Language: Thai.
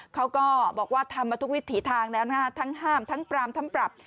เขาก็บอกว่าทำมาทุกวิถีทางแล้วนะฮะทั้งห้ามทั้งปรามทั้งปรับ